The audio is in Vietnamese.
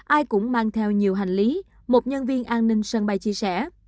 ai cũng mang theo nhiều hành lý một nhân viên an ninh sân bay chia sẻ